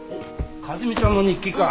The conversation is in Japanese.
和美さんの日記か。